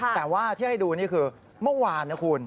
แต่ว่าที่ให้ดูนี่คือเมื่อวานนะคุณ